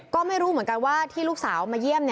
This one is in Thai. ก็ไม่รู้เหมือนกันว่าที่ลูกสาวมาเยี่ยม